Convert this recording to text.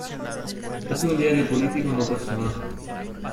Es un diario político no personal.